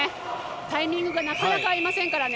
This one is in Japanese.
タイミングがなかなか合いませんからね。